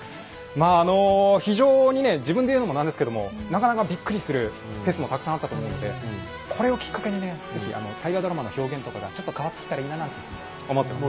まああの非常にね自分で言うのもなんですけどもなかなかびっくりする説もたくさんあったと思うのでこれをきっかけにね是非大河ドラマの表現とかがちょっと変わってきたらいいななんて思ってます。